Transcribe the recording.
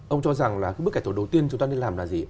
ông cho rằng là bước kẻ thủ đầu tiên chúng ta nên làm là gì